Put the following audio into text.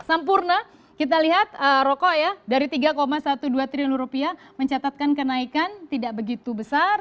sampurna kita lihat rokok ya dari tiga dua belas triliun rupiah mencatatkan kenaikan tidak begitu besar